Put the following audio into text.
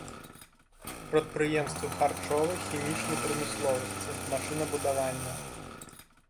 Прадпрыемствы харчовай, хімічнай прамысловасці, машынабудавання.